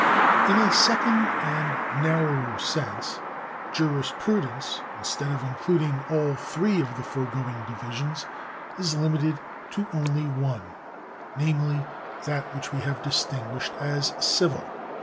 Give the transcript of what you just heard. In a second and narrower sense, jurisprudence, instead of including all three of the foregoing divisions, is limited to one only, namely, that which we have distinguished as civil.